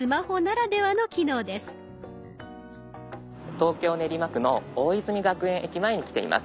東京・練馬区の大泉学園駅前に来ています。